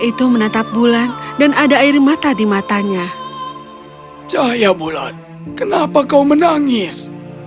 itu menatap bulan dan ada air mata di matanya cahaya bulan kenapa kau menangis